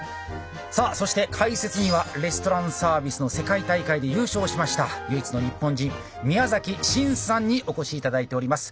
さあそして解説にはレストランサービスの世界大会で優勝しました唯一の日本人宮崎辰さんにお越し頂いております。